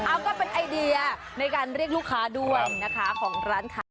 เอาก็เป็นไอเดียในการเรียกลูกค้าด้วยนะคะของร้านขาย